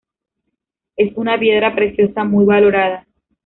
Es una piedra preciosa muy valorada.